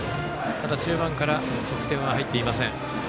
ただ、中盤から得点入ってません。